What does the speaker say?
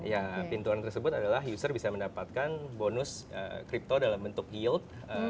ya pintu earn tersebut adalah user bisa mendapatkan bonus kripto dalam bentuk yield